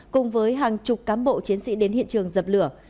cùng với hàng chục cán bộ chiến sĩ đến hiện trường dập lửa